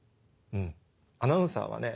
アナウンサーはね